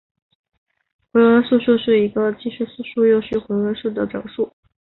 回文素数是一个既是素数又是回文数的整数。